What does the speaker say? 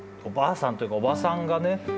おばあさんというかおばさんがね